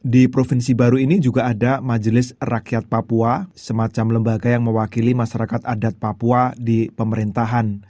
di provinsi baru ini juga ada majelis rakyat papua semacam lembaga yang mewakili masyarakat adat papua di pemerintahan